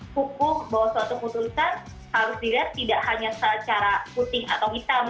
hukum bahwa suatu putusan harus dilihat tidak hanya secara puting atau hitam